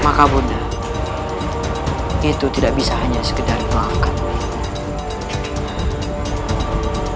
maka bunda itu tidak bisa hanya sekedar melangkah